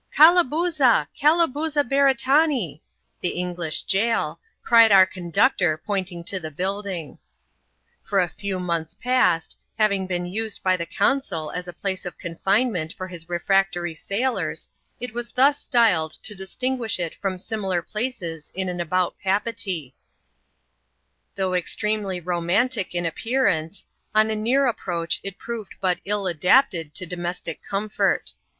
" Calabooza ! Calabooza Beretanee !" (the English Jai!)^ cried our conductor, pointing to the building. For a few months past, having been used by the consul as a house of confinement for his refractory sailors, it was thus styled to distinguish it from similar places in and about Papeetee. Though extremely romantic in appearance, on a near 9^ proach it proved but ill adapted to domestic comfort.